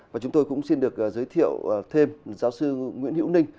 và chúng tôi cũng xin được giới thiệu thêm giáo sư nguyễn hữu ninh